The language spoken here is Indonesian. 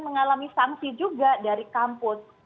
mengalami sanksi juga dari kampus